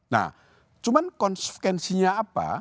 nah cuman konsekuensinya apa